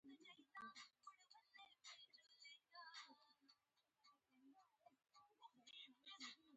نجلۍ له خدای سره نږدې ده.